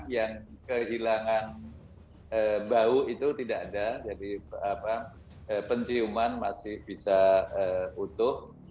yang kehilangan bau itu tidak ada jadi penciuman masih bisa utuh